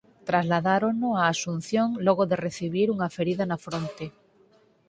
Trasladárono a Asunción logo de recibir unha ferida na fronte.